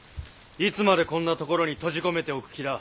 いつまでこんな所に閉じ込めておく気だ。